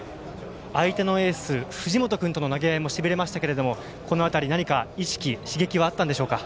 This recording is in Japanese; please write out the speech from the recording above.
相手のエース藤本君との投げ合いもしびれましたけどこの辺り、意識や刺激はあったんでしょうか。